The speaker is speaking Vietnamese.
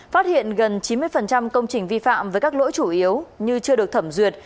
phát hiện gần chín mươi công trình vi phạm với các lỗi chủ yếu như chưa được thẩm duyệt